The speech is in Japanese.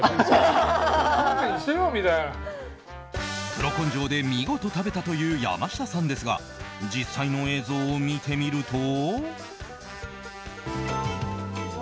プロ根性で見事食べたという山下さんですが実際の映像を見てみると。